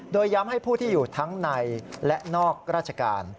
โดยย้ำให้ผู้ที่อยู่ทั้งในและนอกราชการ